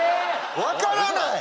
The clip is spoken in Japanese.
分からない⁉